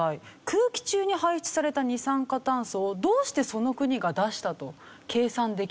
空気中に排出された二酸化炭素をどうしてその国が出したと計算できるんだと思いますか？